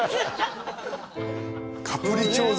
カプリチョーザ